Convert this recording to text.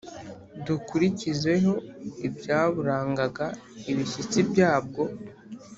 dukurikizeho ibyaburangaga ibishyitsi byabwo